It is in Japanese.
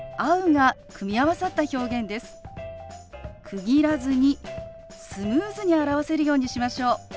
区切らずにスムーズに表せるようにしましょう。